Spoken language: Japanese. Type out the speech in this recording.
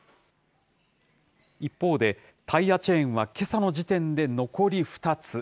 一方で、タイヤチェーンはけさの時点で残り２つ。